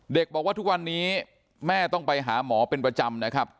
บอกว่าทุกวันนี้แม่ต้องไปหาหมอเป็นประจำนะครับ